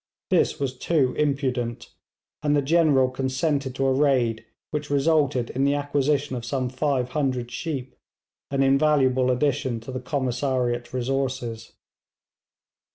This was too impudent, and the General consented to a raid, which resulted in the acquisition of some 500 sheep, an invaluable addition to the commissariat resources.